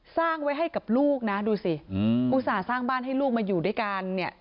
สร้างไว้ให้กับลูกนะดูสิอุตส่าห์สร้างบ้านให้ลูกมาอยู่ด้วยกันเนี่ย